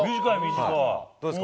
どうですか？